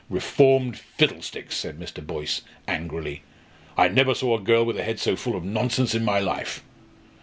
"Reformed! fiddlesticks!" said Mr. Boyce, angrily. "I never saw a girl with a head so full of nonsense in my life.